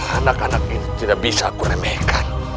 anak anak ini tidak bisa aku remehkan